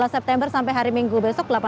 empat belas september sampai hari minggu besok